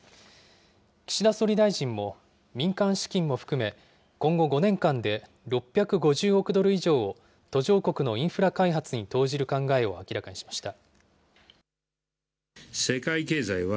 岸田総理大臣も、民間資金も含め、今後５年間で６５０億ドル以上を途上国のインフラ開発に投じる考えを明らかにしました。